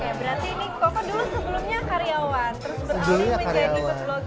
oke berarti nih kok dulu sebelumnya karyawan